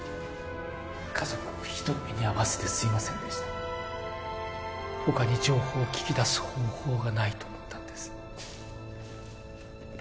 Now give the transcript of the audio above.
家族をひどい目に遭わせてすいませんでした他に情報を聞き出す方法がないと思ったんです